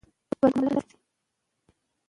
هغه د توري په زور خلک شیعه مذهب ته اړول.